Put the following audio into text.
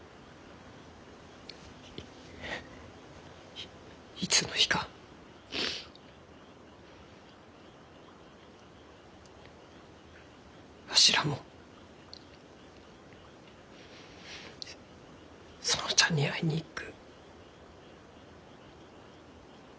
いいつの日かわしらも園ちゃんに会いに行く。